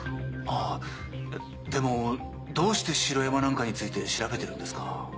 あでもどうして城山なんかについて調べてるんですか？